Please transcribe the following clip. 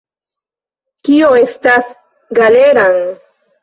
Kio estas Galeran?